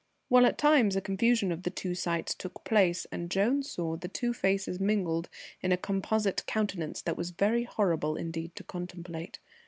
While at times a confusion of the two sights took place, and Jones saw the two faces mingled in a composite countenance that was very horrible indeed to contemplate.